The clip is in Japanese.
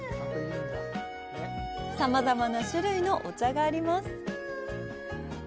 さまざまな種類のお茶があります。